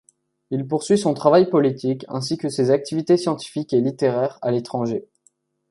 Il poursuit son travail politique ainsi que ses activités scientifiques et littéraires à l'étranger.